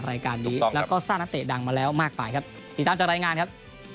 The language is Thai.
รายการนี้แล้วก็สร้างนักเตะดังมาแล้วมากไปครับติดตามจากรายงานครับ